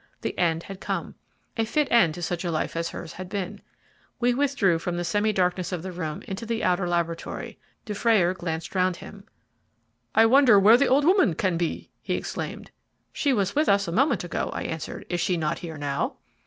The end had come. A fit end to such a life as hers had been. We withdrew from the semi darkness of the room into the outer laboratory. Dufrayer glanced round him. "I wonder where the old woman can be!" he exclaimed. "She was with us a moment ago," I answered "Is she not here now?"